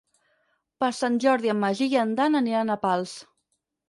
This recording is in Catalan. Per Sant Jordi en Magí i en Dan aniran a Pals.